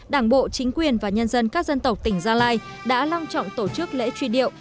đảng bộ chính quyền và nhân dân các dân tộc tỉnh gia lai đã long trọng tổ chức lễ truy điệu